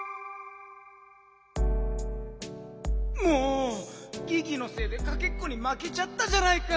もうギギのせいでかけっこにまけちゃったじゃないか！